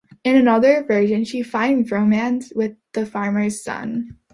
In another version she finds romance with the farmer's son.